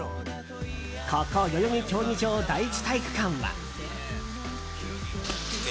ここ代々木競技場第一体育館は。